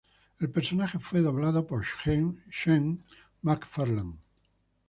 El personaje fue doblado por Seth MacFarlane.